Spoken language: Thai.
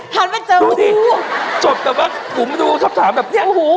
ก็ทันไปเจอโอ้โหดูดิจบแต่ว่าผมดูคำถามแบบโอ้โห